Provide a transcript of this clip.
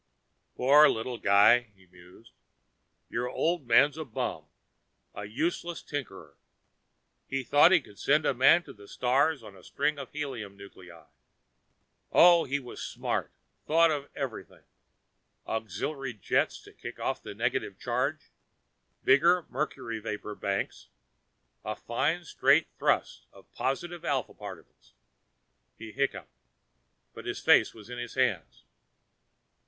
"Poor little guy," he mused. "Your old man's a bum, a useless tinker. He thought he could send Man to the stars on a string of helium nuclei. Oh, he was smart. Thought of everything. Auxiliary jets to kick off the negative charge, bigger mercury vapor banks a fine straight thrust of positive Alpha particles." He hiccuped, put his face in his hands.